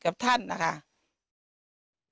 กับท่านนะคะ